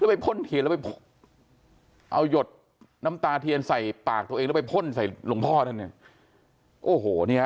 ไปพ่นเทียนแล้วไปเอาหยดน้ำตาเทียนใส่ปากตัวเองแล้วไปพ่นใส่หลวงพ่อท่านเนี่ยโอ้โหเนี่ย